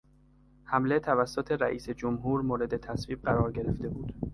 حمله توسط رئیس جمهور مورد تصویب قرار گرفته بود.